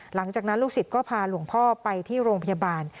หลังจากนั้นลูกศิษย์ก็พาหลวงพ่อไปที่โรงพยาบาล